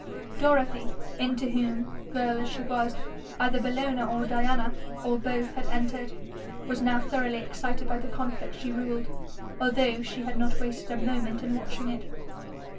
Dorothy, into whom, girl as she was, either Bellona or Diana, or both, had entered, was now thoroughly excited by the conflict she ruled, although she had not wasted a moment in watching it.